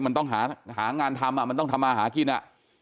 มันต้องหางานทำอ่ะมันต้องทำมาหากินอ่ะ